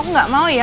aku gak mau ya